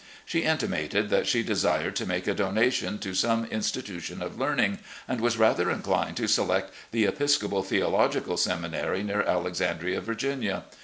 She intimated that she desired to make a donation to some institution of learning, and was rather inclined to select the Episcopal Theological Seminary, near Alexandria, Vii^nia.